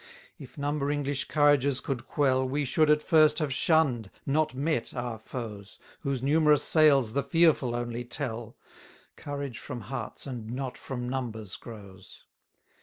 76 If number English courages could quell, We should at first have shunn'd, not met, our foes, Whose numerous sails the fearful only tell: Courage from hearts and not from numbers grows.